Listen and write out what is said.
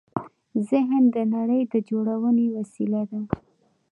ذهن د نړۍ د جوړونې وسیله ده.